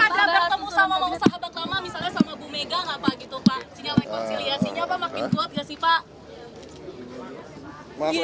sinyal rekonsiliasinya apa makin kuat gak sih pak